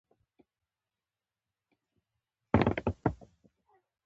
د ده په خبره اول سړي ته ګورم.